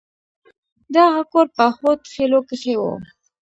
دغه کور په هود خيلو کښې و.